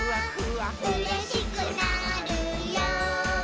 「うれしくなるよ」